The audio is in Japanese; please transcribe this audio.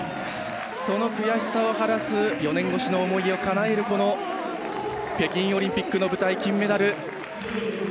その悔しさを晴らす４年越しの思いをかなえる北京オリンピックの舞台金メダル。